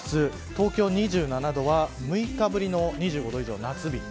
東京２７度は６日ぶりの２５度以上の夏日